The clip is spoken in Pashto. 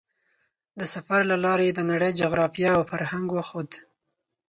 د سفر له لارې یې د نړۍ جغرافیه او فرهنګ وښود.